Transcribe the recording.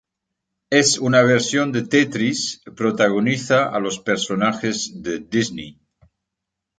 Es una versión de Tetris, protagoniza a los Personajes de Disney.